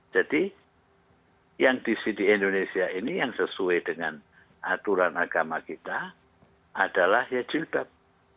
jadi yang disini di indonesia ini yang sesuai dengan aturan agama kita adalah yajil bab